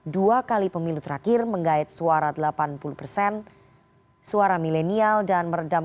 dua kali pemilu terakhir menggait suara delapan puluh persen suara milenial dan meredam